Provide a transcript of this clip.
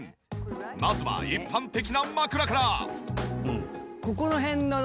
まずは一般的な枕から。